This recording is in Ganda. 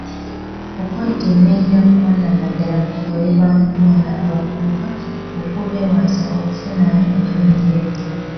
Okwekenneenya okwa nnamaddala kukolebwa mu kulonda abavubuka okubeewaza okufunamu emirundi ebiri.